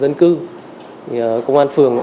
dân cư công an phường